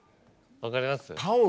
分かります？